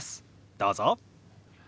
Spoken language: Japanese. どうぞ。